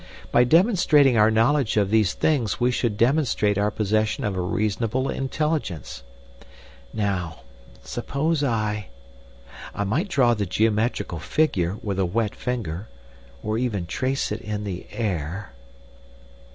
By demonstrating our knowledge of these things we should demonstrate our possession of a reasonable intelligence.... Now, suppose I ... I might draw the geometrical figure with a wet finger, or even trace it in the air...."